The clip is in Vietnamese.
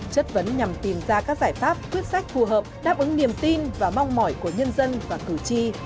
chất vấn nhằm tìm ra các giải pháp quyết sách phù hợp đáp ứng niềm tin và mong mỏi của nhân dân và cử tri